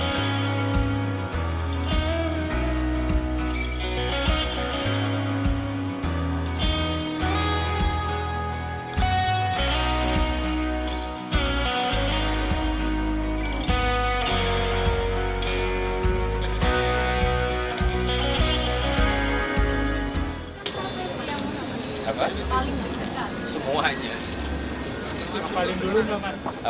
pada akhirnya mas kesang sudah menjadi suaminya mbak erina